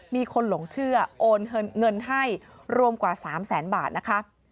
มีคนหลงเชื่อโอนเงินให้รวมกว่า๓แสนบาทนะคะ